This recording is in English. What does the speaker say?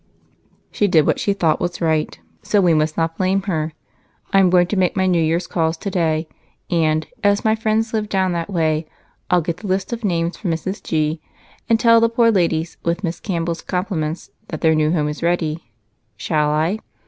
"She did what she thought was right, so we must not blame her. I am going to make my New Year's calls today and, as my friends live down that way, I'll get the list of names from Mrs. G. and tell the poor ladies, with Miss Campbell's compliments, that their new home is ready. Shall I?"